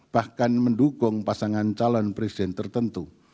bahkan mendukung pasangan calon presiden tertentu